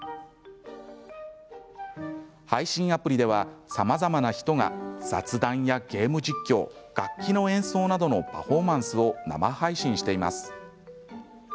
配信アプリでは、さまざまな人が雑談やゲーム実況、楽器の演奏などのパフォーマンスを生配信しています。